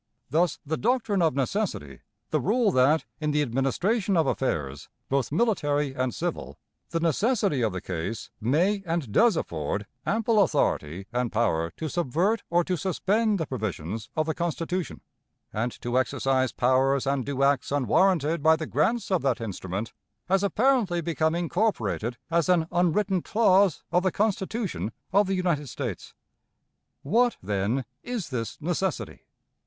Thus the doctrine of necessity the rule that, in the administration of affairs, both military and civil, the necessity of the case may and does afford ample authority and power to subvert or to suspend the provisions of the Constitution, and to exercise powers and do acts unwarranted by the grants of that instrument has apparently become incorporated as an unwritten clause of the Constitution of the United States. What, then, is this necessity?